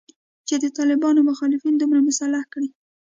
چې د طالبانو مخالفین دومره مسلح کړي